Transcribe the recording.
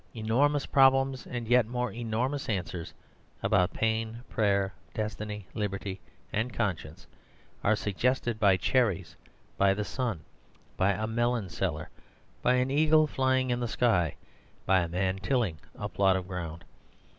Enormous problems, and yet more enormous answers, about pain, prayer, destiny, liberty, and conscience are suggested by cherries, by the sun, by a melon seller, by an eagle flying in the sky, by a man tilling a plot of ground.